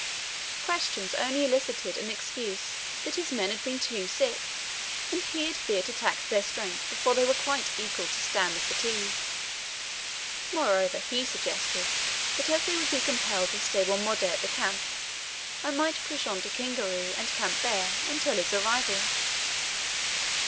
Questions only elicited an excuse that his men had been too sick, and he had feared to tax their strength before they were quite equal to stand the fatigue. Moreover he suggested that as they would be compelled to stay one day more at the camp, I might push on to Kingaru and camp there, until his arrival.